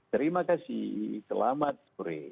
terima kasih selamat sore